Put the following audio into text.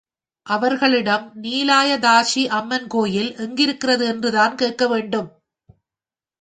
அவர்களிடம் நீலாயதாக்ஷி அம்மன் கோயில் எங்கிருக்கிறது என்றுதான் கேட்க வேண்டும்.